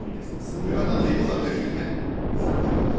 親方の色が出るよね。